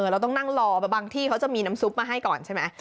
เราต้องนั่งรอบางที่เขาจะมีน้ำซุปมาให้ก่อนใช่ไหม